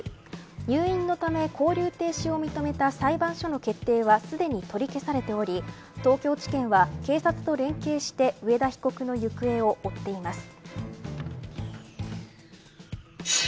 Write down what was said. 入院のため勾留停止を認めた裁判所の決定はすでに取り消されており東京地検は警察と連携して上田被告の行方を追っています。